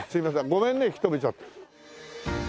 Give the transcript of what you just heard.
ごめんね引き留めちゃって。